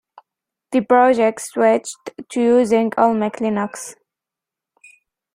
The project switched to using Olmec Linux.